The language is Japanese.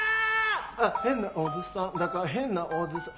「あ変なおじさんだから変なおじさん」。